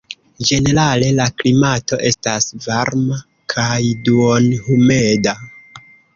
Ĝenerale la klimato estas varma kaj duonhumeda.